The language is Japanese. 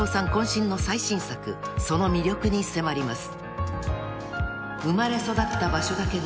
渾身の最新作その魅力に迫ります］